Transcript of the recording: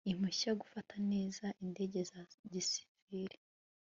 impushya gufata neza indege za gisiviri